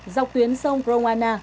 dọc tuyến sông grongwana